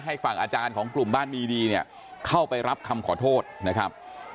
ให้ฝั่งอาจารย์ของกลุ่มบ้านมีดีเนี่ยเข้าไปรับคำขอโทษนะครับ